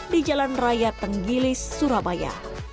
di jalan raya tenggilis surabaya